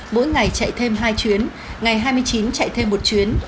mỗi ngày chạy thêm hai chuyến ngày hai mươi chín chạy thêm một chuyến